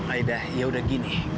aida yaudah gini